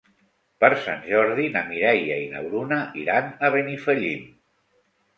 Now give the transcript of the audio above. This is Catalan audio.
Per Sant Jordi na Mireia i na Bruna iran a Benifallim.